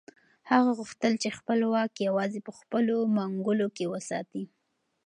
هغه غوښتل چې خپل واک یوازې په خپلو منګولو کې وساتي.